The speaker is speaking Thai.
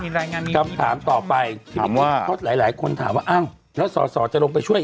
ถามถามต่อไปคลิปนี้บิ๊กฮอล์หลายคนถามว่าเอ้าและส่อจะลงไปช่วย